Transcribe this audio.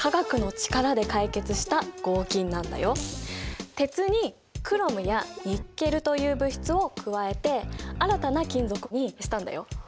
このステンレスは鉄にクロムやニッケルという物質を加えて新たな金属にしたんだよ。